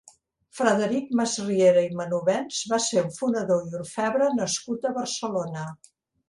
Frederic Masriera i Manovens va ser un fonedor i orfebre nascut a Barcelona.